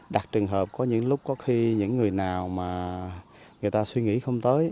đặc trường hợp có những lúc có khi những người nào mà người ta suy nghĩ không tới